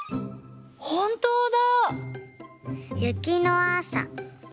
ほんとうだ！